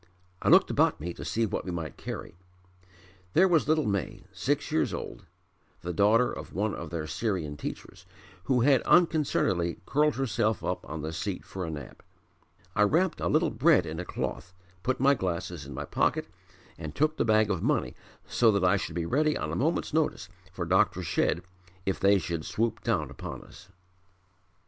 I looked about me to see what we might carry. There was little May, six years old (the daughter of one of their Syrian teachers) who had unconcernedly curled herself up on the seat for a nap. I wrapped a little bread in a cloth, put my glasses in my pocket, and took the bag of money so that I should be ready on a moment's notice for Dr. Shedd if they should swoop down upon us."